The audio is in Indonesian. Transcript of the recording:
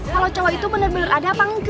kalo cowok itu bener bener ada apa engga